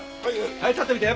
はい立ってみて。